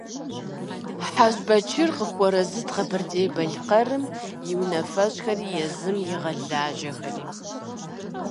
Хьэжбэчыр къыхуэарэзыт Къэбэрдей-Балъкъэрым и унафэщӏхэри езым игъэлажьэхэри.